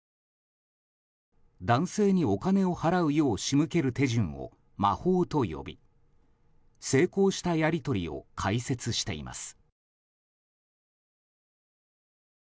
男性のお金を払うよう仕向ける手順を魔法と呼び、成功したやり取りを解説しています。